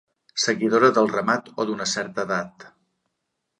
Seguidora del ramat, o d'una certa edat.